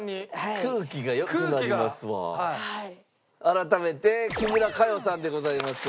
改めて木村佳代さんでございます。